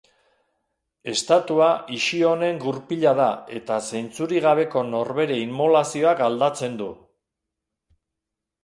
Estatua Ixionen gurpila da eta zentzurik gabeko norbere inmolazioa galdatzen du.